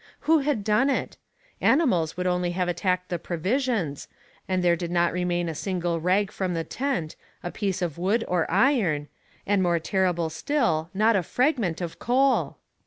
Who had done it? Animals would only have attacked the provisions, and there did not remain a single rag from the tent, a piece of wood or iron, and, more terrible still, not a fragment of coal!